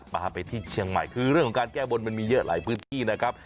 พาไปที่เชียงใหม่คือเรื่องของการแก้บนมันมีเยอะหลายพื้นที่นะครับ